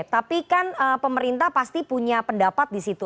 tapi kan pemerintah pasti punya pendapat di situ